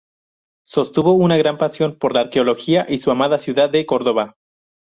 Sostuvo una gran pasión por la arqueología y su amada ciudad de Córdoba.